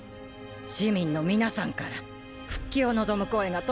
市民の皆さんから復帰を望む声が届いたらしいの。